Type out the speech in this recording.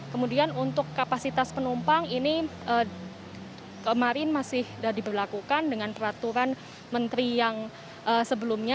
kemudian untuk kapasitas penumpang ini kemarin masih diberlakukan dengan peraturan menteri yang sebelumnya